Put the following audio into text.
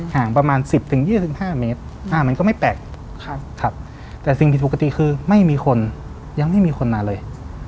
ห่างประมาณ๑๐๒๕เมตรมันก็ไม่แปลกแต่สิ่งผิดปกติคือไม่มีคนยังไม่มีคนมาเลย